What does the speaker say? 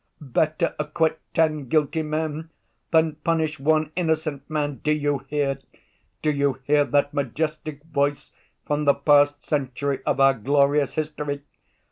"Better acquit ten guilty men than punish one innocent man! Do you hear, do you hear that majestic voice from the past century of our glorious history?